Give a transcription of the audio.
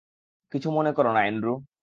কিছু মনে করো না, অ্যান্ড্রু।